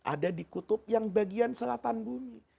ada di kutub yang bagian selatan bumi